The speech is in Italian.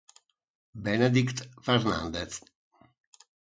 Benedikt Fernandez